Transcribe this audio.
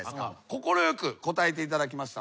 快く答えていただきました。